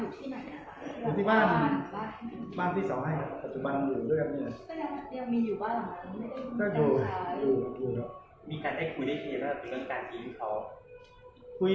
ก็สแตนต์ว่าเราดูแลเขาหยั่งดีไม่ได้ทอดขอบคุณ